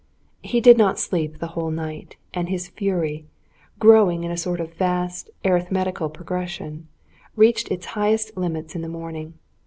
He did not sleep the whole night, and his fury, growing in a sort of vast, arithmetical progression, reached its highest limits in the morning.